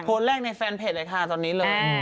แรกในแฟนเพจเลยค่ะตอนนี้เลย